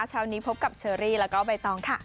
เช้านี้พบกับเชอรี่แล้วก็ใบตองค่ะ